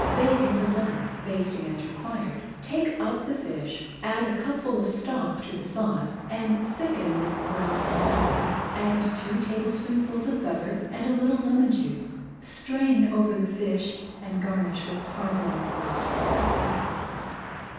Bake until done, basting as required. Take up the fish, add a cupful of stock to the sauce, and thicken with browned flour. Add two tablespoonfuls of butter and a little lemon juice. Strain over the fish and garnish with parboiled oysters.